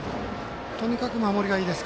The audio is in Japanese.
とにかく守りがいいです